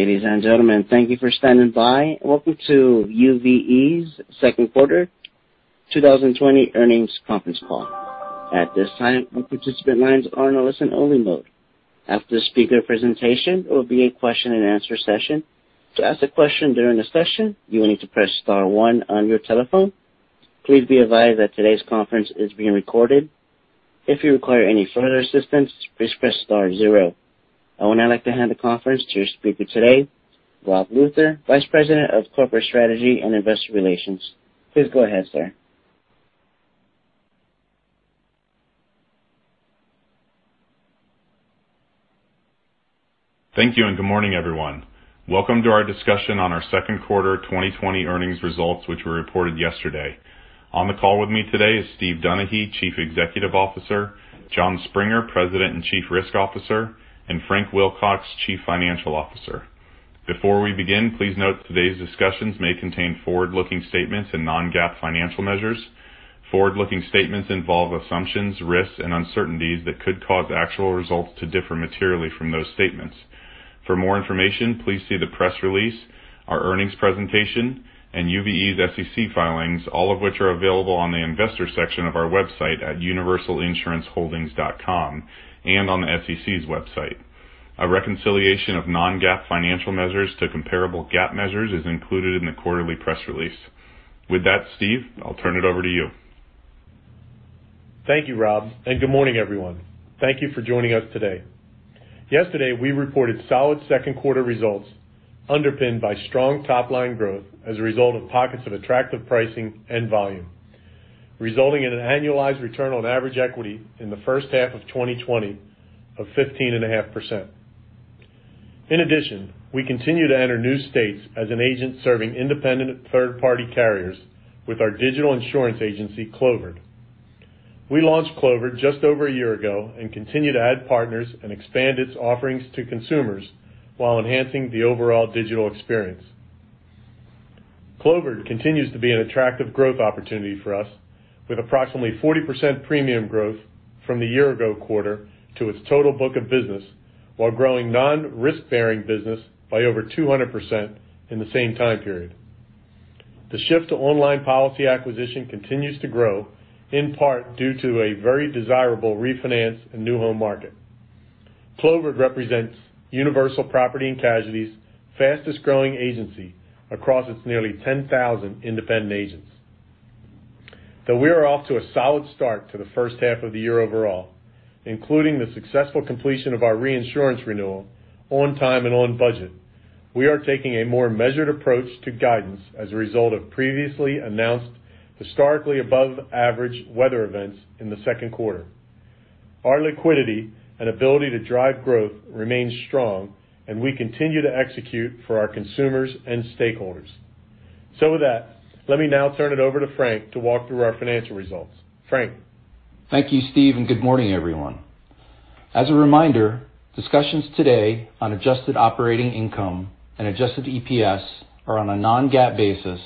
Ladies and gentlemen, thank you for standing by. Welcome to UVE's second quarter 2020 earnings conference call. At this time, all participant lines are in a listen only mode. After the speaker presentation, there will be a question and answer session. To ask a question during the session, you will need to press star one on your telephone. Please be advised that today's conference is being recorded. If you require any further assistance, please press star zero. I would now like to hand the conference to your speaker today, Rob Luther, Vice President of Corporate Strategy and Investor Relations. Please go ahead, sir. Thank you, good morning, everyone. Welcome to our discussion on our second quarter 2020 earnings results, which were reported yesterday. On the call with me today is Steve Donaghy, Chief Executive Officer, Jon Springer, President and Chief Risk Officer, Frank Wilcox, Chief Financial Officer. Before we begin, please note today's discussions may contain forward-looking statements and non-GAAP financial measures. Forward-looking statements involve assumptions, risks, and uncertainties that could cause actual results to differ materially from those statements. For more information, please see the press release, our earnings presentation, and UVE's SEC filings, all of which are available on the investor section of our website at universalinsuranceholdings.com, and on the SEC's website. A reconciliation of non-GAAP financial measures to comparable GAAP measures is included in the quarterly press release. With that, Steve, I'll turn it over to you. Thank you, Rob, good morning, everyone. Thank you for joining us today. Yesterday, we reported solid second quarter results underpinned by strong top-line growth as a result of pockets of attractive pricing and volume, resulting in an annualized return on average equity in the first half of 2020 of 15.5%. In addition, we continue to enter new states as an agent serving independent third-party carriers with our digital insurance agency, Clovered. We launched Clovered just over a year ago and continue to add partners and expand its offerings to consumers while enhancing the overall digital experience. Clovered continues to be an attractive growth opportunity for us with approximately 40% premium growth from the year ago quarter to its total book of business while growing non-risk-bearing business by over 200% in the same time period. The shift to online policy acquisition continues to grow, in part due to a very desirable refinance in new home market. Clovered represents Universal Property and Casualty's fastest-growing agency across its nearly 10,000 independent agents. Though we are off to a solid start to the first half of the year overall, including the successful completion of our reinsurance renewal on time and on budget, we are taking a more measured approach to guidance as a result of previously announced historically above-average weather events in the second quarter. Our liquidity and ability to drive growth remains strong, and we continue to execute for our consumers and stakeholders. With that, let me now turn it over to Frank to walk through our financial results. Frank. Thank you, Steve, and good morning, everyone. As a reminder, discussions today on adjusted operating income and adjusted EPS are on a non-GAAP basis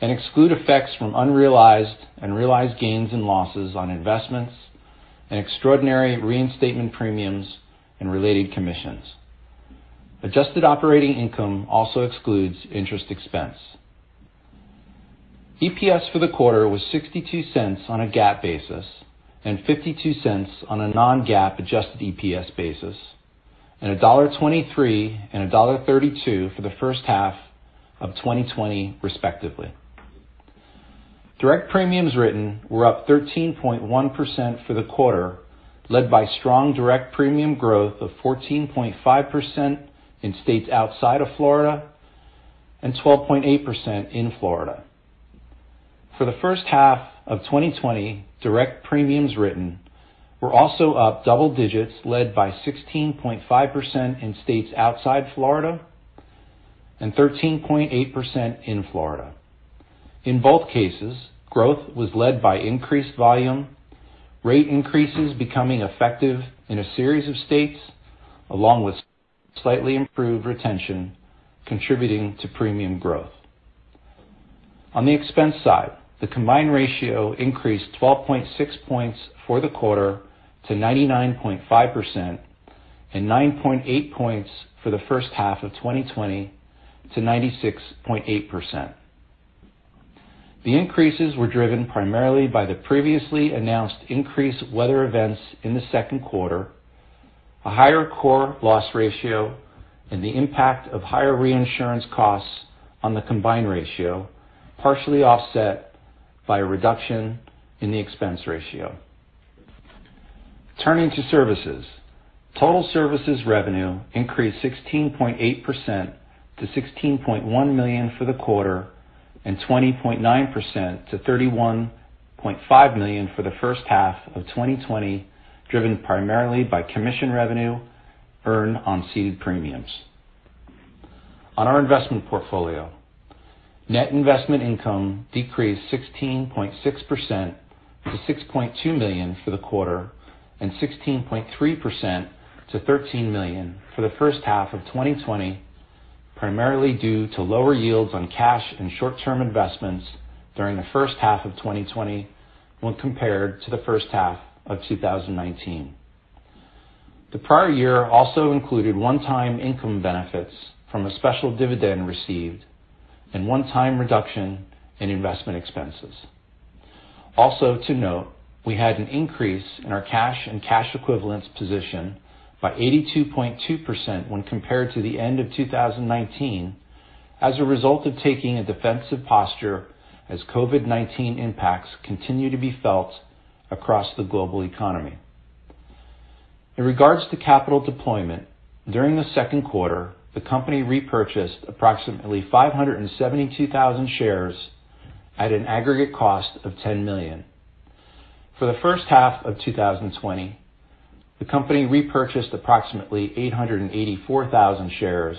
and exclude effects from unrealized and realized gains and losses on investments and extraordinary reinstatement premiums and related commissions. Adjusted operating income also excludes interest expense. EPS for the quarter was $0.62 on a GAAP basis and $0.52 on a non-GAAP adjusted EPS basis, and $1.23 and $1.32 for the first half of 2020, respectively. Direct premiums written were up 13.1% for the quarter, led by strong direct premium growth of 14.5% in states outside of Florida and 12.8% in Florida. For the first half of 2020, direct premiums written were also up double digits, led by 16.5% in states outside Florida and 13.8% in Florida. In both cases, growth was led by increased volume, rate increases becoming effective in a series of states, along with slightly improved retention contributing to premium growth. On the expense side, the combined ratio increased 12.6 points for the quarter to 99.5% and 9.8 points for the first half of 2020 to 96.8%. The increases were driven primarily by the previously announced increased weather events in the second quarter, a higher core loss ratio, and the impact of higher reinsurance costs on the combined ratio, partially offset by a reduction in the expense ratio. Turning to services. Total services revenue increased 16.8% to $16.1 million for the quarter and 20.9% to $31.5 million for the first half of 2020, driven primarily by commission revenue earned on ceded premiums. On our investment portfolio, net investment income decreased 16.6% to $6.2 million for the quarter and 16.3% to $13 million for the first half of 2020, primarily due to lower yields on cash and short-term investments during the first half of 2020 when compared to the first half of 2019. The prior year also included one-time income benefits from a special dividend received and one-time reduction in investment expenses. Also, to note, we had an increase in our cash and cash equivalents position by 82.2% when compared to the end of 2019 as a result of taking a defensive posture as COVID-19 impacts continue to be felt across the global economy. In regards to capital deployment, during the second quarter, the company repurchased approximately 572,000 shares at an aggregate cost of $10 million. For the first half of 2020, the company repurchased approximately 884,000 shares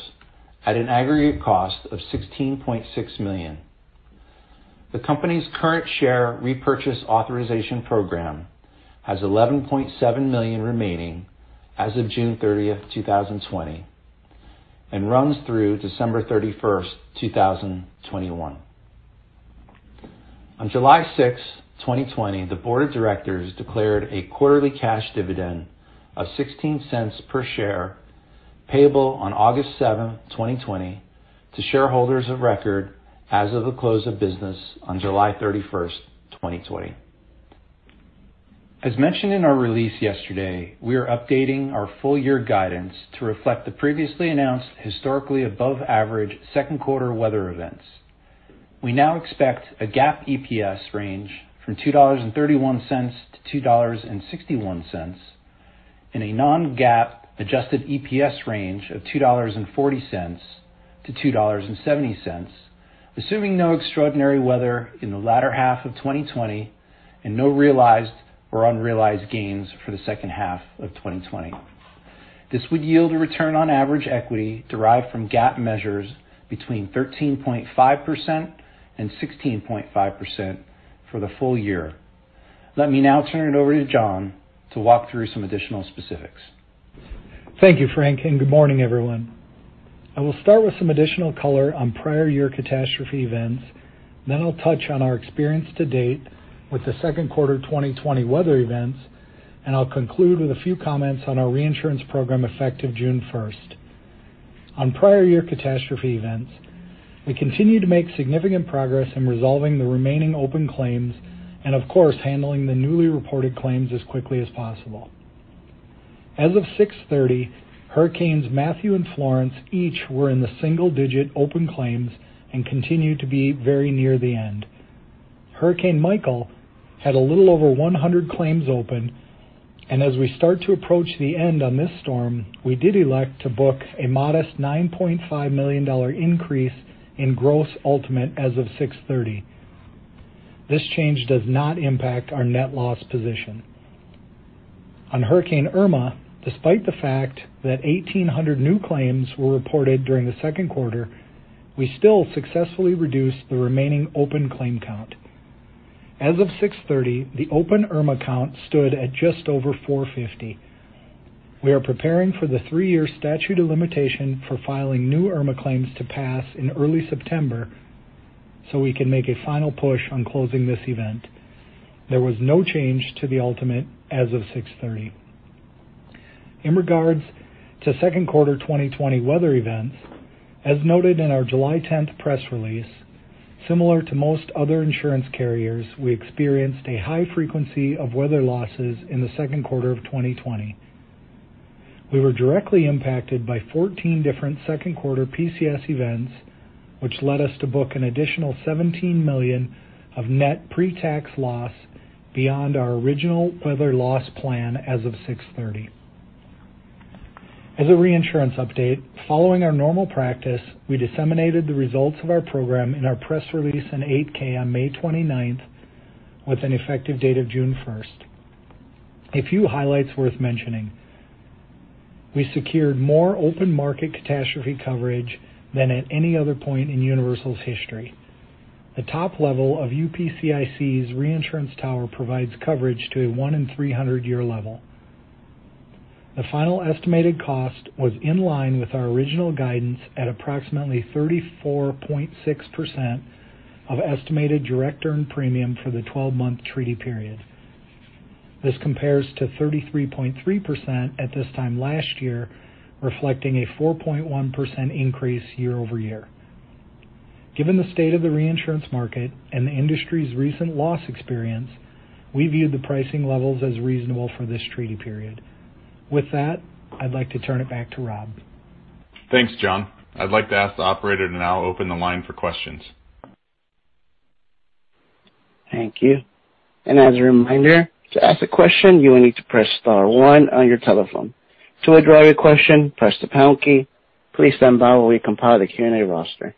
at an aggregate cost of $16.6 million. The company's current share repurchase authorization program has $11.7 million remaining as of June 30th, 2020, and runs through December 31st, 2021. On July 6, 2020, the board of directors declared a quarterly cash dividend of $0.16 per share payable on August 7th, 2020 to shareholders of record as of the close of business on July 31st, 2020. As mentioned in our release yesterday, we are updating our full year guidance to reflect the previously announced historically above average second quarter weather events. We now expect a GAAP EPS range from $2.31-$2.61, and a non-GAAP adjusted EPS range of $2.40-$2.70, assuming no extraordinary weather in the latter half of 2020 and no realized or unrealized gains for the second half of 2020. This would yield a return on average equity derived from GAAP measures between 13.5% and 16.5% for the full year. Let me now turn it over to Jon to walk through some additional specifics. Thank you, Frank, and good morning, everyone. I will start with some additional color on prior year catastrophe events. I'll touch on our experience to date with the second quarter 2020 weather events, and I'll conclude with a few comments on our reinsurance program effective June 1st. On prior year catastrophe events, we continue to make significant progress in resolving the remaining open claims and, of course, handling the newly reported claims as quickly as possible. As of 06/30, Hurricane Matthew and Hurricane Florence each were in the single digit open claims and continue to be very near the end. Hurricane Michael had a little over 100 claims open, and as we start to approach the end on this storm, we did elect to book a modest $9.5 million increase in gross ultimate as of 6/30. This change does not impact our net loss position. On Hurricane Irma, despite the fact that 1,800 new claims were reported during the second quarter, we still successfully reduced the remaining open claim count. As of 6/30, the open Irma count stood at just over 450. We are preparing for the three-year statute of limitations for filing new Irma claims to pass in early September so we can make a final push on closing this event. There was no change to the ultimate as of 6/30. In regards to second quarter 2020 weather events, as noted in our July 10th press release, similar to most other insurance carriers, we experienced a high frequency of weather losses in the second quarter of 2020. We were directly impacted by 14 different second quarter PCS events, which led us to book an additional $17 million of net pre-tax loss beyond our original weather loss plan as of 6/30. As a reinsurance update, following our normal practice, we disseminated the results of our program in our press release and 8-K on May 29th with an effective date of June 1st. A few highlights worth mentioning. We secured more open market catastrophe coverage than at any other point in Universal's history. The top level of UPCIC's reinsurance tower provides coverage to a 1 in 300 year level. The final estimated cost was in line with our original guidance at approximately 34.6% of estimated direct earned premium for the 12-month treaty period. This compares to 33.3% at this time last year, reflecting a 4.1% increase year-over-year. Given the state of the reinsurance market and the industry's recent loss experience, we view the pricing levels as reasonable for this treaty period. With that, I'd like to turn it back to Rob. Thanks, Jon. I'd like to ask the operator to now open the line for questions. Thank you. As a reminder, to ask a question, you will need to press star one on your telephone. To withdraw your question, press the pound key. Please stand by while we compile the Q&A roster.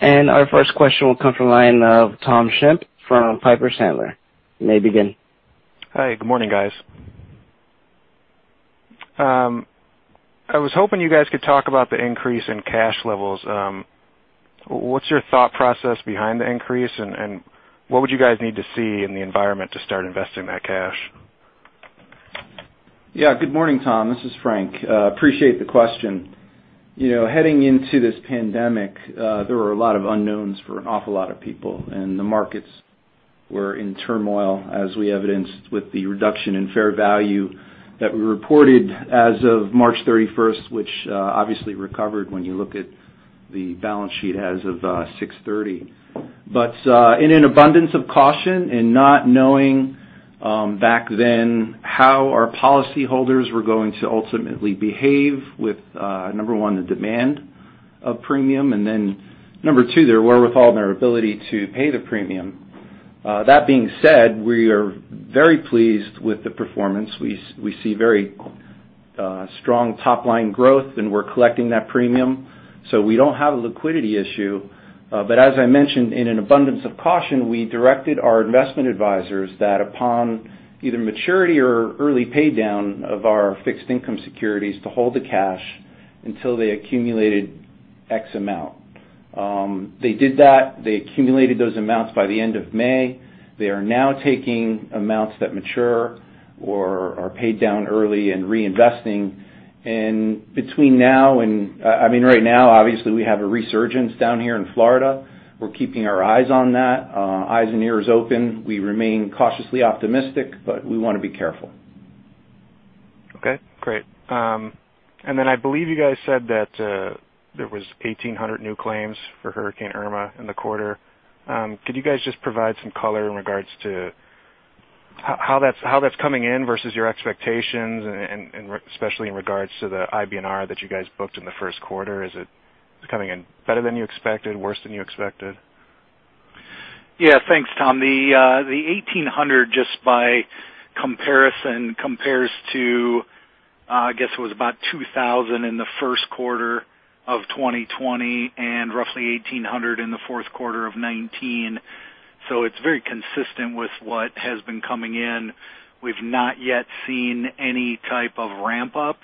Our first question will come from the line of Tom Shimp from Piper Sandler. You may begin. Hi. Good morning, guys. I was hoping you guys could talk about the increase in cash levels. What's your thought process behind the increase and what would you guys need to see in the environment to start investing that cash? Yeah. Good morning, Tom. This is Frank. Appreciate the question. Heading into this pandemic, there were a lot of unknowns for an awful lot of people, the markets were in turmoil as we evidenced with the reduction in fair value that we reported as of March 31st, which obviously recovered when you look at the balance sheet as of 6/30. In an abundance of caution and not knowing back then how our policyholders were going to ultimately behave with, number one, the demand of premium, number two, their wherewithal and their ability to pay the premium. That being said, we are very pleased with the performance. We see very strong top-line growth, we're collecting that premium. We don't have a liquidity issue. As I mentioned, in an abundance of caution, we directed our investment advisors that upon either maturity or early pay down of our fixed income securities to hold the cash until they accumulated X amount. They did that. They accumulated those amounts by the end of May. They are now taking amounts that mature or are paid down early and reinvesting. Right now, obviously, we have a resurgence down here in Florida. We're keeping our eyes on that, eyes and ears open. We remain cautiously optimistic, but we want to be careful. Okay, great. I believe you guys said that there was 1,800 new claims for Hurricane Irma in the quarter. Can you guys just provide some color in regards to how that's coming in versus your expectations and especially in regards to the IBNR that you guys booked in the first quarter? Is it coming in better than you expected? Worse than you expected? Yeah. Thanks, Tom. The 1,800 just by comparison, compares to, I guess it was about 2,000 in the first quarter of 2020 and roughly 1,800 in the fourth quarter of 2019. It's very consistent with what has been coming in. We've not yet seen any type of ramp-up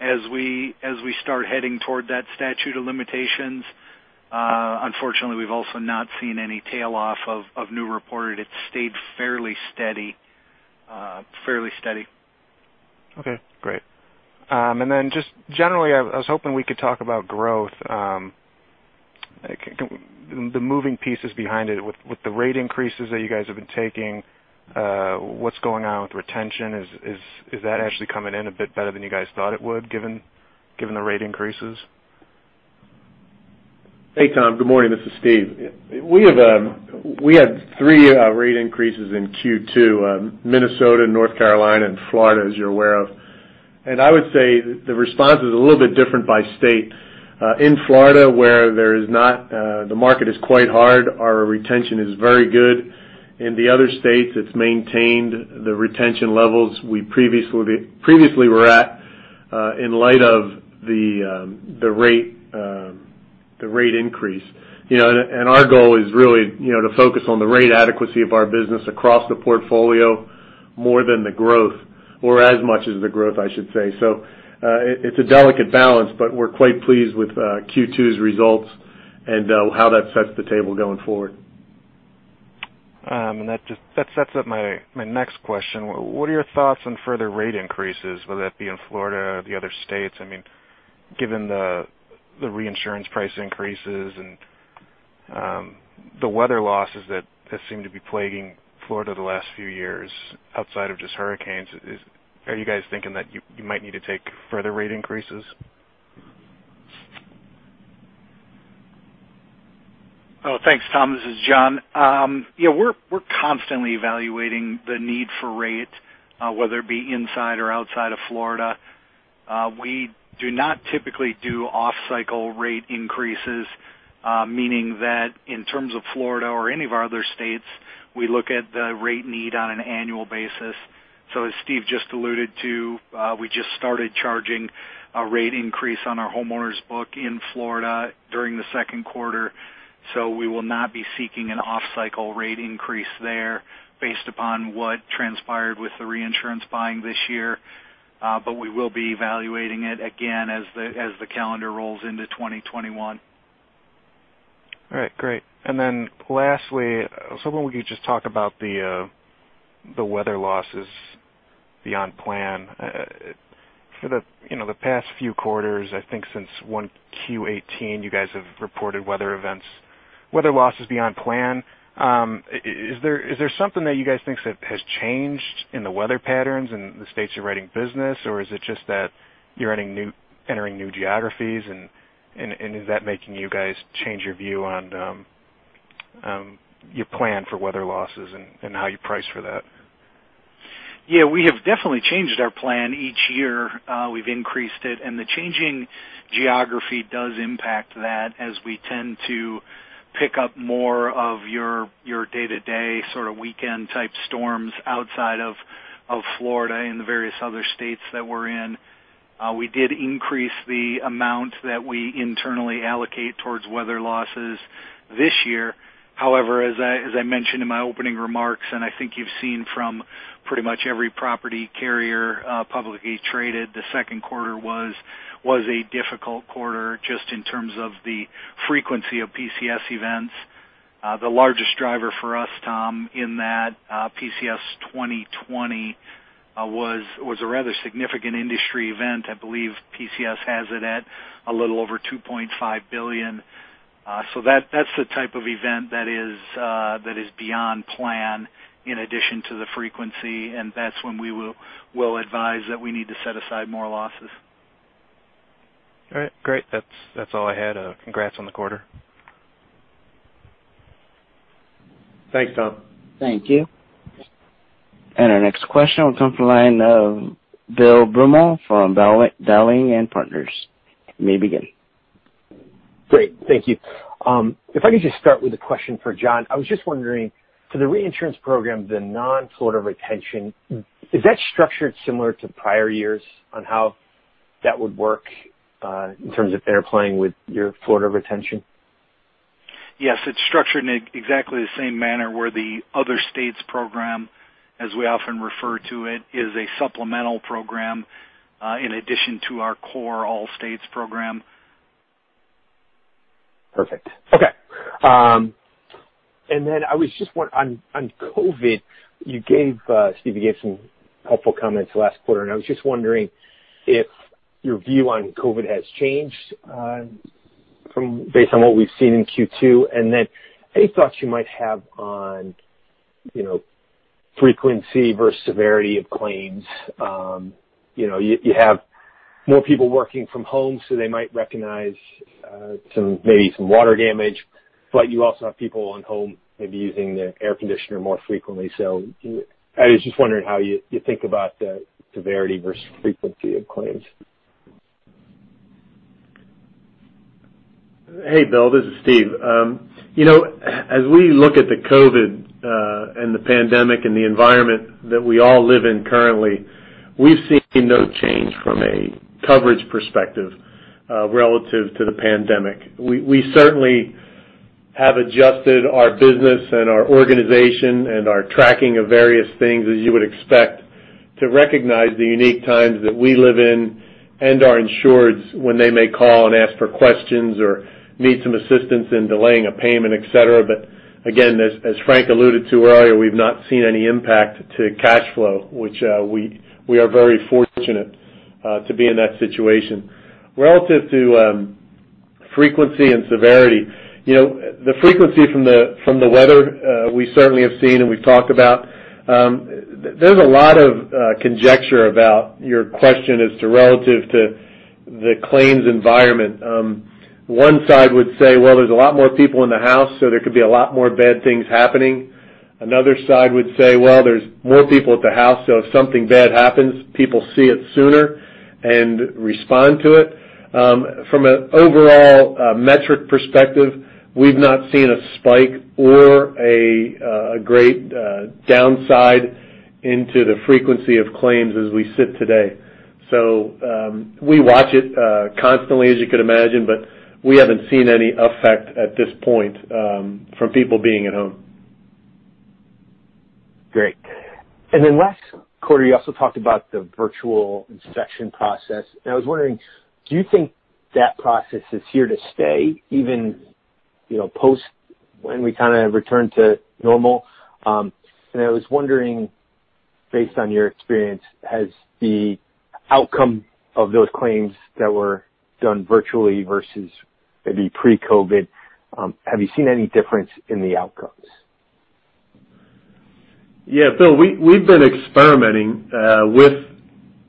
as we start heading toward that statute of limitations. Unfortunately, we've also not seen any tail off of new reported. It's stayed fairly steady. Okay, great. Just generally, I was hoping we could talk about growth. The moving pieces behind it with the rate increases that you guys have been taking. What's going on with retention? Is that actually coming in a bit better than you guys thought it would given the rate increases? Hey, Tom. Good morning. This is Steve. We had three rate increases in Q2, Minnesota, North Carolina, and Florida, as you're aware of. I would say the response is a little bit different by state. In Florida where the market is quite hard, our retention is very good. In the other states, it's maintained the retention levels we previously were at, in light of the rate increase. Our goal is really to focus on the rate adequacy of our business across the portfolio more than the growth, or as much as the growth, I should say. It's a delicate balance, but we're quite pleased with Q2's results and how that sets the table going forward. That sets up my next question. What are your thoughts on further rate increases, whether that be in Florida or the other states? Given the reinsurance price increases and the weather losses that seem to be plaguing Florida the last few years outside of just hurricanes, are you guys thinking that you might need to take further rate increases? Thanks, Tom. This is Jon. We're constantly evaluating the need for rate, whether it be inside or outside of Florida. We do not typically do off-cycle rate increases, meaning that in terms of Florida or any of our other states, we look at the rate need on an annual basis. As Steve just alluded to, we just started charging a rate increase on our homeowners book in Florida during the second quarter. We will not be seeking an off-cycle rate increase there based upon what transpired with the reinsurance buying this year. We will be evaluating it again as the calendar rolls into 2021. All right, great. Then lastly, I was hoping we could just talk about the weather losses beyond plan. For the past few quarters, I think since Q18, you guys have reported weather losses beyond plan. Is there something that you guys think has changed in the weather patterns in the states you're writing business, or is it just that you're entering new geographies and is that making you guys change your view on your plan for weather losses and how you price for that? We have definitely changed our plan. Each year, we've increased it. The changing geography does impact that as we tend to pick up more of your day-to-day sort of weekend type storms outside of Florida and the various other states that we're in. We did increase the amount that we internally allocate towards weather losses this year. As I mentioned in my opening remarks, I think you've seen from pretty much every property carrier publicly traded, the second quarter was a difficult quarter just in terms of the frequency of PCS events. The largest driver for us, Tom, in that PCS 2020 was a rather significant industry event. I believe PCS has it at a little over $2.5 billion. That's the type of event that is beyond plan in addition to the frequency, that's when we will advise that we need to set aside more losses. Great. That's all I had. Congrats on the quarter. Thanks, Tom. Thank you. Our next question will come from the line of Bill Brummel from Dowling & Partners. You may begin. Great. Thank you. If I could just start with a question for Jon. I was just wondering, for the reinsurance program, the non-Florida retention, is that structured similar to prior years on how that would work, in terms of interplaying with your Florida retention? Yes, it's structured in exactly the same manner where the other states program, as we often refer to it, is a supplemental program, in addition to our core all states program. Perfect. Okay. On COVID, Stephen, you gave some helpful comments last quarter, I was just wondering if your view on COVID has changed based on what we've seen in Q2. Any thoughts you might have on frequency versus severity of claims. You have more people working from home, so they might recognize maybe some water damage, but you also have people on home maybe using the air conditioner more frequently. I was just wondering how you think about the severity versus frequency of claims. Hey, Bill, this is Steve. As we look at the COVID, and the pandemic and the environment that we all live in currently, we've seen no change from a coverage perspective relative to the pandemic. We certainly have adjusted our business and our organization and our tracking of various things as you would expect to recognize the unique times that we live in and our insureds when they may call and ask for questions or need some assistance in delaying a payment, et cetera. Again, as Frank alluded to earlier, we've not seen any impact to cash flow, which we are very fortunate to be in that situation. Relative to frequency and severity, the frequency from the weather, we certainly have seen and we've talked about. There's a lot of conjecture about your question as to relative to the claims environment. One side would say, well, there's a lot more people in the house, so there could be a lot more bad things happening. Another side would say, well, there's more people at the house, so if something bad happens, people see it sooner and respond to it. From an overall metric perspective, we've not seen a spike or a great downside into the frequency of claims as we sit today. We watch it constantly, as you could imagine, but we haven't seen any effect at this point from people being at home. Great. Last quarter, you also talked about the virtual inspection process, and I was wondering, do you think that process is here to stay even post when we kind of return to normal? I was wondering, based on your experience, has the outcome of those claims that were done virtually versus maybe pre-COVID, have you seen any difference in the outcomes? Yeah, Bill, we've been experimenting with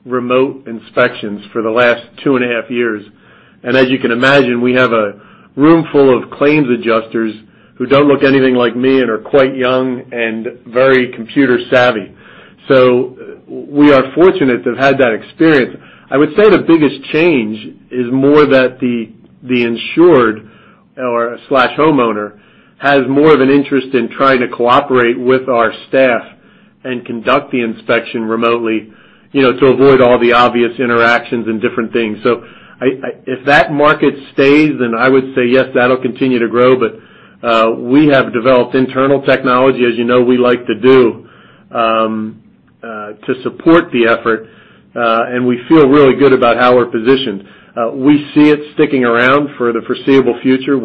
remote inspections for the last two and a half years. As you can imagine, we have a room full of claims adjusters who don't look anything like me and are quite young and very computer savvy. We are fortunate to have had that experience. I would say the biggest change is more that the insured/homeowner has more of an interest in trying to cooperate with our staff and conduct the inspection remotely to avoid all the obvious interactions and different things. If that market stays, then I would say yes, that'll continue to grow. We have developed internal technology, as you know we like to do, to support the effort, and we feel really good about how we're positioned. We see it sticking around for the foreseeable future.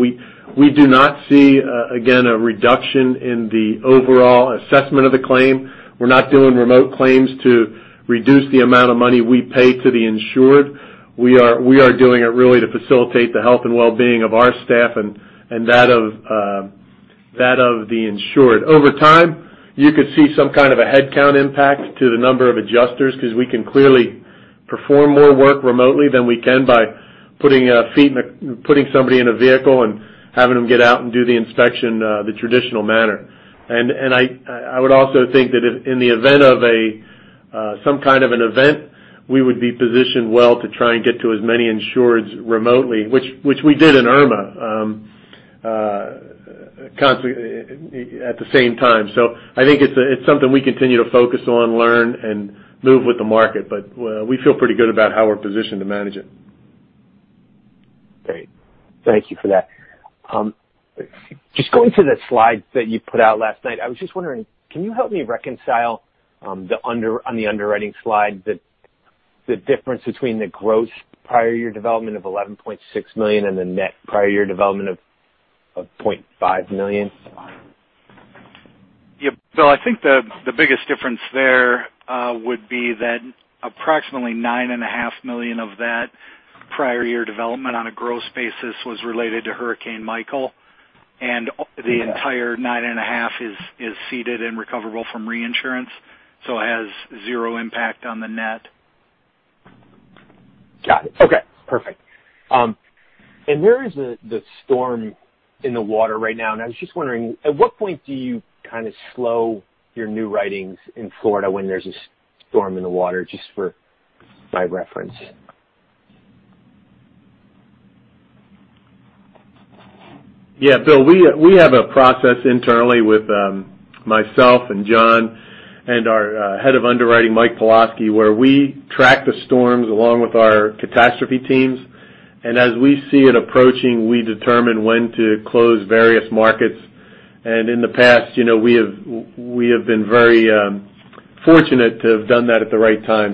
We do not see, again, a reduction in the overall assessment of the claim. We're not doing remote claims to reduce the amount of money we pay to the insured. We are doing it really to facilitate the health and wellbeing of our staff and that of the insured. Over time, you could see some kind of a headcount impact to the number of adjusters because we can clearly perform more work remotely than we can by putting somebody in a vehicle and having them get out and do the inspection the traditional manner. I would also think that in the event of some kind of an event, we would be positioned well to try and get to as many insureds remotely, which we did in Hurricane Irma at the same time. I think it's something we continue to focus on, learn, and move with the market. We feel pretty good about how we're positioned to manage it. Great. Thank you for that. Just going to the slides that you put out last night, I was just wondering, can you help me reconcile on the underwriting slide that the difference between the gross prior year development of $11.6 million and the net prior year development of $0.5 million? Yeah. Bill, I think the biggest difference there would be that approximately $9.5 million of that prior year development on a gross basis was related to Hurricane Michael, and the entire $9.5 is ceded and recoverable from reinsurance, so it has zero impact on the net. Got it. Okay, perfect. There is the storm in the water right now, and I was just wondering, at what point do you slow your new writings in Florida when there's a storm in the water, just for my reference? Yeah, Bill, we have a process internally with myself and Jon and our Head of Underwriting, Michael Pawlowski, where we track the storms along with our catastrophe teams. As we see it approaching, we determine when to close various markets. In the past, we have been very fortunate to have done that at the right time.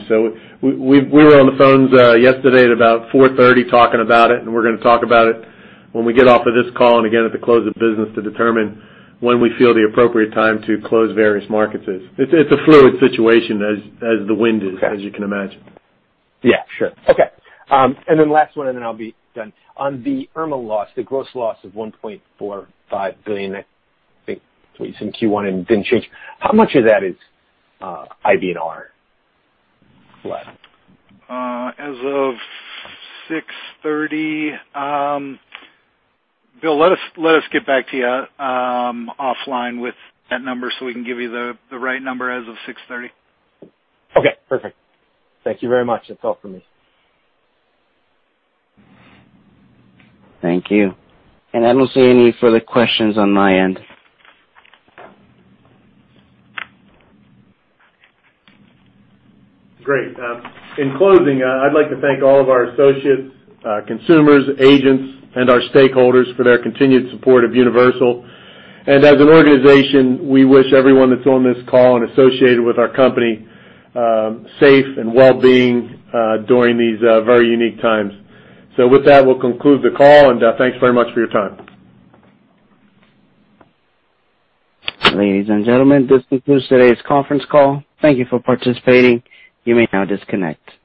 We were on the phones yesterday at about 4:30 talking about it, and we're going to talk about it when we get off of this call and again at the close of business to determine when we feel the appropriate time to close various markets is. It's a fluid situation as the wind is, as you can imagine. Yeah, sure. Okay. Then last one, and then I'll be done. On the Irma loss, the gross loss of $1.45 billion I think was in Q1 and didn't change. How much of that is IBNR left? As of 6:30 Bill, let us get back to you offline with that number so we can give you the right number as of 6:30. Okay, perfect. Thank you very much. That's all for me. Thank you. I don't see any further questions on my end. Great. In closing, I'd like to thank all of our associates, consumers, agents, and our stakeholders for their continued support of Universal. As an organization, we wish everyone that's on this call and associated with our company safe and wellbeing during these very unique times. With that, we'll conclude the call, and thanks very much for your time. Ladies and gentlemen, this concludes today's conference call. Thank you for participating. You may now disconnect.